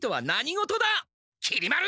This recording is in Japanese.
きり丸！